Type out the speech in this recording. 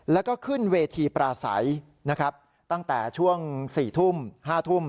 แล้วก็ขึ้นเวทีปลาสายตั้งแต่ช่วง๔ทุ่ม๕ทุ่ม